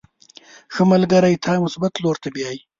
• ښه ملګری تا مثبت لوري ته بیایي.